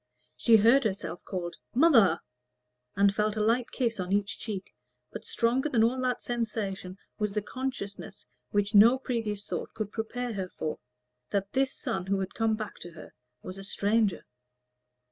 She heard herself called "Mother!" and felt a light kiss on each cheek; but stronger than all that sensation was the consciousness which no previous thought could prepare her for, that this son who had come back to her was a stranger.